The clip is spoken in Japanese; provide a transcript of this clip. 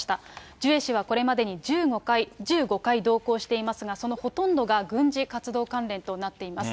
ジュエ氏はこれまでに１５回同行していますが、そのほとんどが、軍事活動関連となっています。